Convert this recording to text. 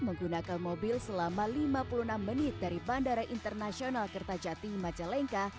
menggunakan mobil selama lima puluh enam menit dari bandara internasional kertajati majalengka